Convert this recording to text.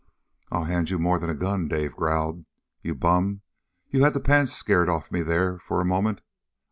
"I'll hand you more than a gun!" Dave growled. "You bum! You had the pants scared off me there for a moment.